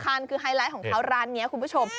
ทานคือไฮไลท์ของเขาร้านนี้คุณผู้ชม